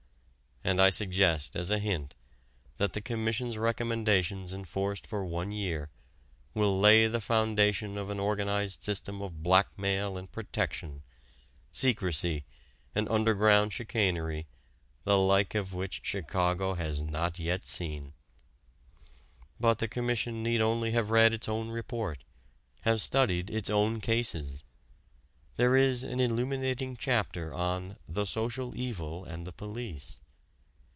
And I suggest as a hint that the Commission's recommendations enforced for one year will lay the foundation of an organized system of blackmail and "protection," secrecy and underground chicanery, the like of which Chicago has not yet seen. But the Commission need only have read its own report, have studied its own cases. There is an illuminating chapter on "The Social Evil and the Police."